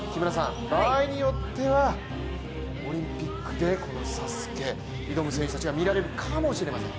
場合によってはオリンピックでこの「ＳＡＳＵＫＥ」挑む選手たちが見られるかもしれません。